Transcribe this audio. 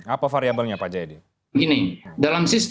apa variabelnya pak jayadi